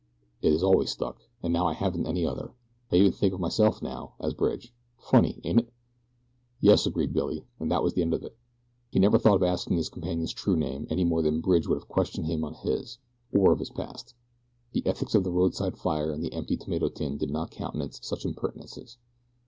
It has always stuck, and now I haven't any other. I even think of myself, now, as Bridge. Funny, ain't it?" "Yes," agreed Billy, and that was the end of it. He never thought of asking his companion's true name, any more than Bridge would have questioned him as to his, or of his past. The ethics of the roadside fire and the empty tomato tin do not countenance such impertinences.